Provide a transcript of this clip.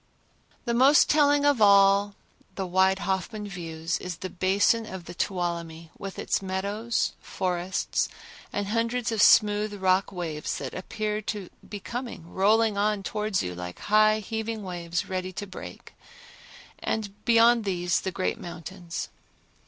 The most telling of all the wide Hoffman views is the basin of the Tuolumne with its meadows, forests and hundreds of smooth rock waves that appear to be coming rolling on towards you like high heaving waves ready to break, and beyond these the great mountains.